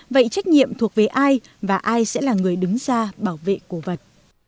vậy trách nhiệm thuộc về ai và ai sẽ là người đứng ra bảo vệ cổ vật